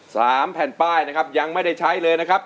สามแผ่นป้ายนะครับยังไม่ได้ใช้เลยนะครับ